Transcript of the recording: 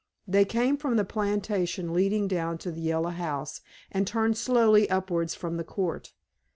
They came from the plantation leading down to the Yellow House and turned slowly upwards from the Court.